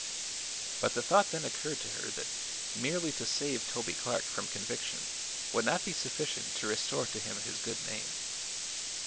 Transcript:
But the thought then occurred to her that merely to save Toby Clark from conviction would not be sufficient to restore to him his good name.